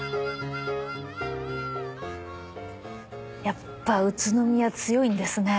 やっぱ宇都宮強いんですね。